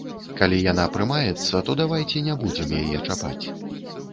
Калі яна прымаецца, то давайце не будзем яе чапаць.